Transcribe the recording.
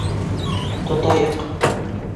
Тотайыҡ!